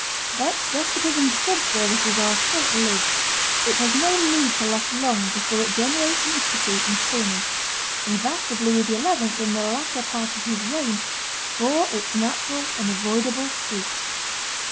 But despotism's good services are short lived; it has no need to last long before it generates iniquity and tyranny; and that of Louis XI., in the latter part of his reign, bore its natural, unavoidable fruits.